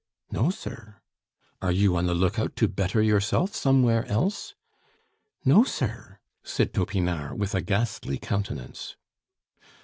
"No, sir." "Are you on the lookout to better yourself somewhere else?" "No, sir " said Topinard, with a ghastly countenance.